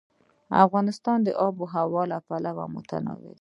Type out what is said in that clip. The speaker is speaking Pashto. افغانستان د آب وهوا له پلوه متنوع دی.